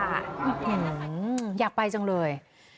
อยากไปจังเลย